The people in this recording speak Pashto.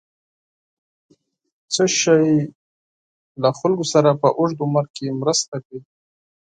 څه شی له خلکو سره په اوږد عمر کې مرسته کوي؟